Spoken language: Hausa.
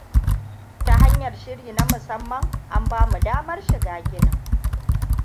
Ta hanyar shiri na musamman an ba mu damar shiga ginin.